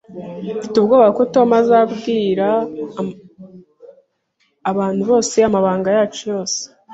Mfite ubwoba ko Tom azabwira abantu bose amabanga yacu yose